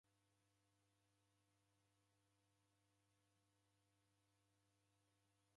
Omoni ndoufumagha ofisinyi.